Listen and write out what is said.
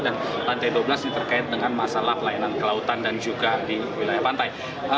dan lantai dua belas terkait dengan masalah pelayanan kelautan dan juga di wilayah pantai